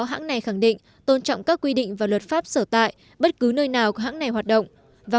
hãng này tôn trọng các quy định và luật pháp sở tại bất cứ nơi nào của hãng này hoạt động và